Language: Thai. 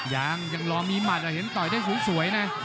ยังยังรอมีหมัดเห็นต่อยได้สวยนะ